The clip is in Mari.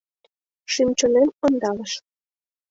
Шӱм-чонем ондалыш.